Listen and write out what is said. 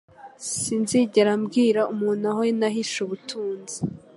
Sinzigera mbwira umuntu aho nahishe ubutunzi